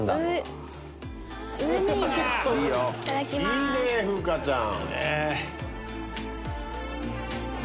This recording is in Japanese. いいね風花ちゃん。